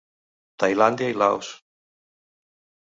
Tailàndia i Laos.